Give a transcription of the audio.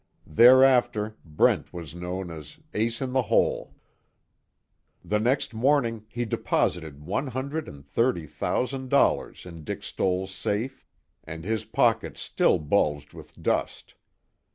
Thereafter Brent was known as Ace In The Hole. The next morning he deposited one hundred and thirty thousand dollars in Dick Stoell's safe, and his pockets still bulged with dust.